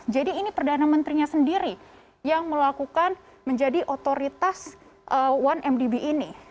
jadi ini perdana menterinya sendiri yang melakukan menjadi otoritas satu mdb ini